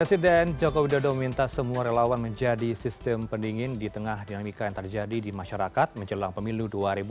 presiden jokowi dodo minta semua relawan menjadi sistem pendingin di tengah dinamika yang terjadi di masyarakat menjelang pemilu dua ribu dua puluh